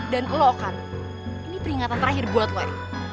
dan lo kan ini peringatan terakhir buat lo ari